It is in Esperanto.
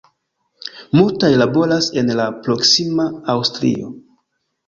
Multaj laboras en la proksima Aŭstrio.